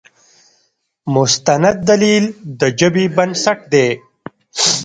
مستند دلیل د ژبې بنسټ دی.